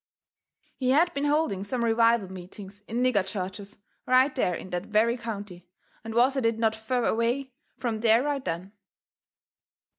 He had been holding some revival meetings in nigger churches right there in that very county, and was at it not fur away from there right then.